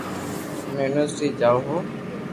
ھمي يونيورسٽي جاو ھون